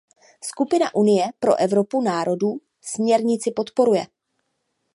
Skupina Unie pro Evropu národů směrnici podporuje.